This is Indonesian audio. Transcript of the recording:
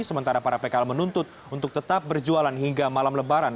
sementara para pkl menuntut untuk tetap berjualan hingga malam lebaran